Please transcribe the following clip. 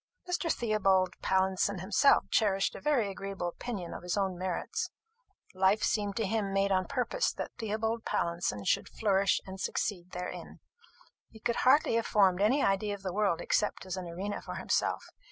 Mr. Theobald Pallinson himself cherished a very agreeable opinion of his own merits. Life seemed to him made on purpose that Theobald Pallinson should flourish and succeed therein. He could hardly have formed any idea of the world except as an arena for himself.